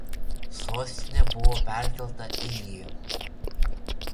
Sostinė buvo perkelta į jį.